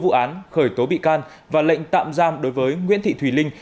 khởi tố vụ án khởi tố bị can và lệnh tạm giam đối với nguyễn thị thùy linh